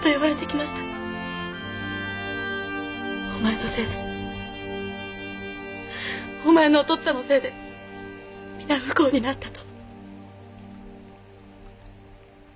お前のせいでお前のお父っつぁんのせいでみな不幸になったと。